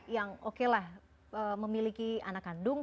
yang oke lah memiliki anak kandung